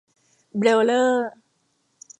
เบรลเลอร์